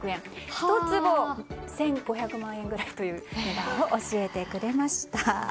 １坪１５００万円くらいという値段を教えてくれました。